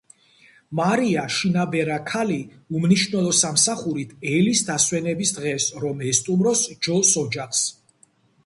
მარია, შინაბერა ქალი უმნიშვნელო სამსახურით, ელის დასვენების დღეს რომ ესტუმროს ჯოს ოჯახს.